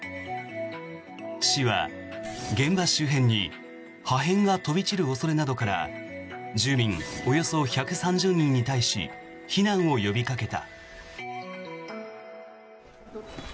市は、現場周辺に破片が飛び散る恐れなどから住民およそ１３０人に対し避難を呼びかけた。